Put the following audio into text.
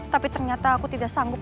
tapi ternyata aku tidak sanggup